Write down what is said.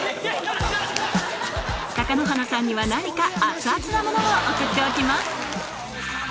貴乃花さんには何か熱々なものを送っておきます